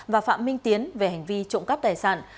và phạm minh tiến về hành vi trộm cắp tài sản